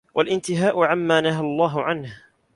وَالِانْتِهَاءُ عَمَّا نَهَى اللَّهُ عَنْهُ